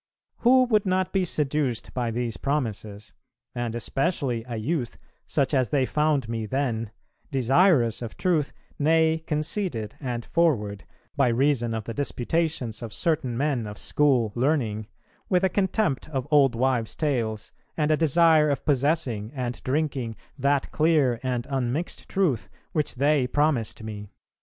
Who would not be seduced by these promises, and especially a youth, such as they found me then, desirous of truth, nay conceited and forward, by reason of the disputations of certain men of school learning, with a contempt of old wives' tales, and a desire of possessing and drinking that clear and unmixed truth which they promised me?"